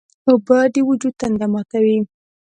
اوبه د وجود تنده ماتوي.